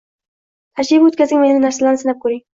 tajriba oʻtkazing va yangi narsalarni sinab koʻring.